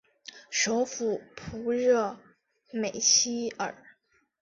首府普热梅希尔。